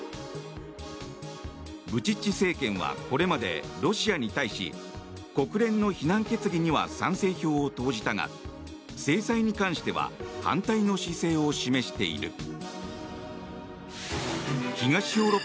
ブチッチ政権はこれまでロシアに対し国連の非難決議には賛成票を投じたが制裁に関しては反対の姿勢を示している。